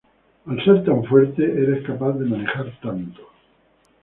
Eres tan fuerte, que son capaces de manejar tanto!